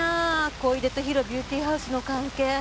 小出とＨＩＲＯビューティーハウスの関係。